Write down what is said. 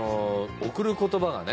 『贈る言葉』がね。